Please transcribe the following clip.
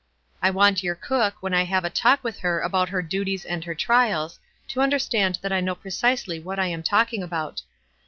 I want your cook, when I have a talk with her about her duties and her trials, to understand that I know precisely what I am talking about.